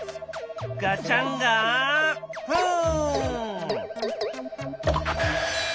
ガチャンガフン！